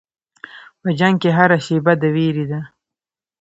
په جنګ کې هره شېبه د وېرې ده.